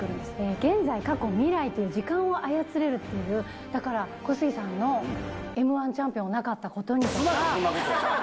現在、過去、未来という時間を操れるっていう、だから、小杉さんのＭー１チャンピオンをなかったことにとか。